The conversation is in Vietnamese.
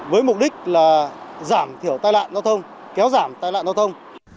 với mục đích là giảm thiểu tai nạn giao thông kéo giảm tai nạn giao thông